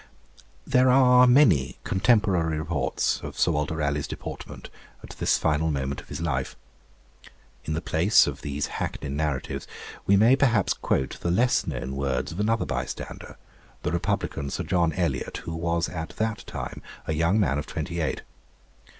There are many contemporary reports of Sir Walter Raleigh's deportment at this final moment of his life. In the place of these hackneyed narratives, we may perhaps quote the less known words of another bystander, the republican Sir John Elyot, who was at that time a young man of twenty eight.